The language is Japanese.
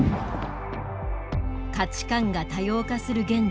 価値観が多様化する現代。